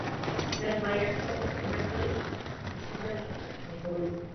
د بیان لغوي مانا کشف، ايضاح، سپړل او په ډاګه کول دي.